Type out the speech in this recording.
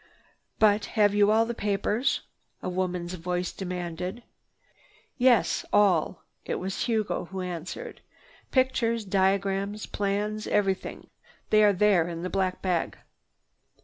"But have you all the papers?" a woman's voice demanded. "Yes, all." It was Hugo who answered. "Pictures, diagrams, plans, everything. They are there in the black bag."